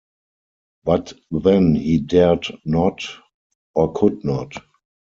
But then he dared not — or could not.